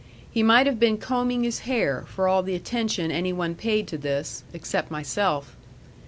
He might have been combing his hair for all the attention any one paid to this, except myself.